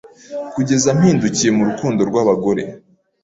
Kugeza mpindukiye mu rukundo rwAbagore